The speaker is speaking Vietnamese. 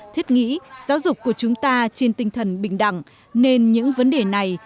thiết nghĩ giáo dục của chúng ta trên tinh thần bình đẳng nên những vấn đề này